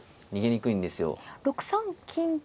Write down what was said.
６三金左と。